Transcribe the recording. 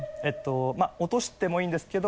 まぁ落としてもいいんですけど。